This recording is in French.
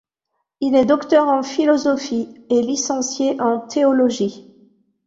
Il est docteur en philosophie et licencié en théologie.